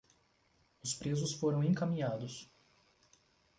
Os presos foram encaminhados